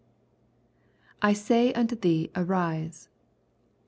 [/ my unto tJiee arise.